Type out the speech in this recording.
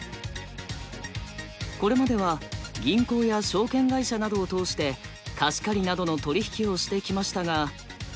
これまでは銀行や証券会社などを通して貸し借りなどの取り引きをしてきましたが。